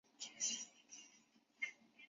后又封为定陶王。